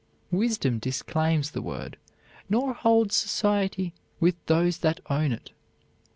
Wisdom disclaims the word, nor holds society with those that own it.